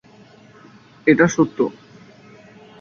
সংগীত এবং মরমী কবিদের জন্য সিলেট অঞ্চল পরিচিত।